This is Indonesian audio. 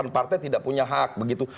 partai tidak punya hak begitu